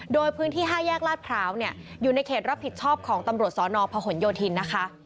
โดยพื้นที่๕แยกลาดพร้าวอยู่ในเขตรับผิดชอบของตำรวจสนพหนโยธินนะคะ